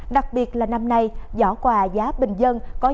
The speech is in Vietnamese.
đặc biệt là năm nay giỏ quà giá từ một mươi một mươi năm ngàn đồng mỗi người